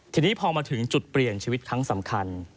ทีนี้พอมาถึงจุดเปลี่ยนชีวิตครั้งสำคัญ